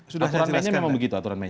aturan mehnya memang begitu aturan mehnya